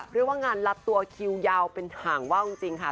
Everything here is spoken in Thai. เรียกว่างานลัดตัวคิวยาวเป็นห่างว่าวจริงค่ะ